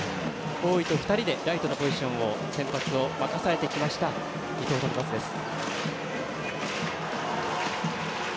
大井と２人でライトのポジションを先発を任されてきました伊藤智一です。